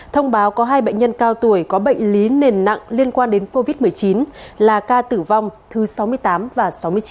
thông báo có hai bệnh nhân cao tuổi có bệnh lý nền nặng liên quan đến covid một mươi chín là ca tử vong thứ sáu mươi tám và sáu mươi chín